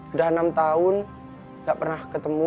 udah enam tahun gak pernah ketemu